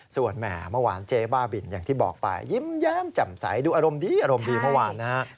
ส่วนแหมเมื่อวานเจ๊บ้าบินอย่างที่บอกไปยิ้มแย้มแจ่มใสดูอารมณ์ดีอารมณ์ดีเมื่อวานนะฮะ